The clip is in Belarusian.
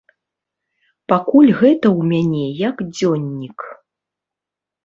Пакуль гэта ў мяне як дзённік.